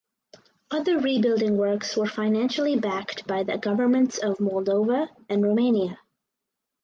Other rebuilding works were financially backed by the Governments of Moldova and Romania.